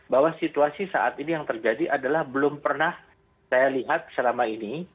bahwa situasi saat ini yang terjadi adalah belum pernah saya lihat selama ini